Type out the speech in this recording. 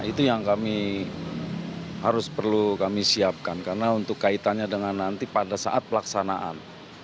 itu yang kami harus perlu kami siapkan karena untuk kaitannya dengan nanti pada saat pelaksanaan